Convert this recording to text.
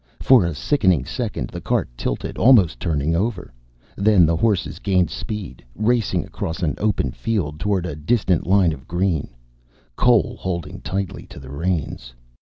For a sickening second the cart tilted, almost turning over. Then the horses gained speed, racing across an open field, toward a distant line of green, Cole holding tightly to the reins.